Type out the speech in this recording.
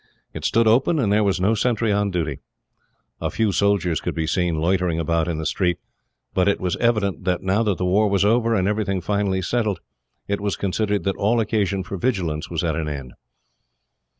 It stood open, and there was no sentry on duty. A few soldiers could be seen, loitering about in the street; but it was evident that, now the war was over and everything finally settled, it was considered that all occasion for vigilance was at an end.